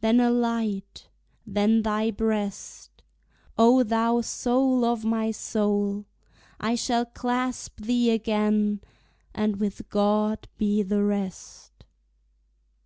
Then a light, then thy breast, O thou soul of my soul! I shall clasp thee again, And with God be the rest!